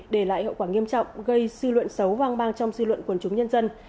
để lại hậu quả nghiêm trọng gây sư luận xấu vang vang trong sư luận quần chúng nhân dân